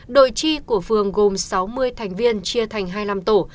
đội chi của phường gồm sáu mươi thành viên chia thành hai mươi năm tổ